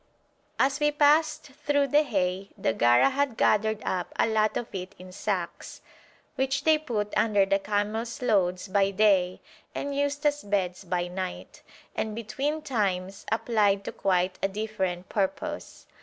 As we passed through the hay, the Gara had gathered up a lot of it in sacks, which they put under the camels' loads by day and used as beds by night, and between times applied to quite a different purpose.